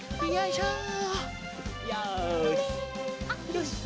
よし！